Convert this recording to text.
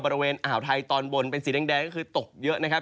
บริเวณอ่าวไทยตอนบนเป็นสีแดงก็คือตกเยอะนะครับ